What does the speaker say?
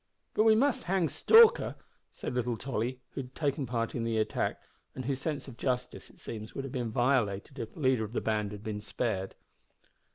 "But we must hang Stalker," said little Tolly, who had taken part in the attack, and whose sense of justice, it seems, would have been violated if the leader of the band had been spared.